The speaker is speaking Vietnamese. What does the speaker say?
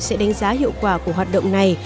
sẽ đánh giá hiệu quả của hoạt động này